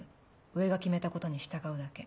上が決めたことに従うだけ。